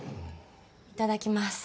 いただきます。